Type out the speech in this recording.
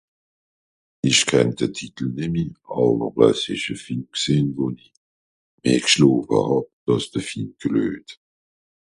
Ich kenn de Titel nemmi àwer euh s ìsch e Film gsìn wo-n-i i meh gschloofe hàb dàss de Film gelöjt